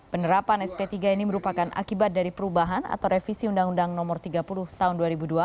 penerapan sp tiga ini merupakan akibat dari perubahan atau revisi undang undang no tiga puluh tahun dua ribu dua